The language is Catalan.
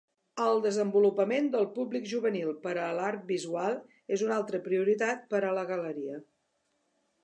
El desenvolupament del públic juvenil per a l'art visual és una altra prioritat per a la galeria.